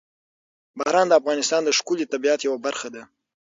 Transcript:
باران د افغانستان د ښکلي طبیعت یوه برخه ده.